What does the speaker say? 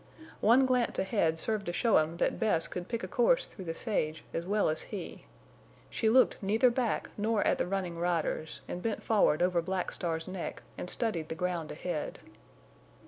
One glance ahead served to show him that Bess could pick a course through the sage as well as he. She looked neither back nor at the running riders, and bent forward over Black Star's neck and studied the ground ahead.